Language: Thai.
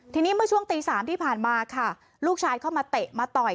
ทีนี้เมื่อช่วงตี๓ที่ผ่านมาค่ะลูกชายเข้ามาเตะมาต่อย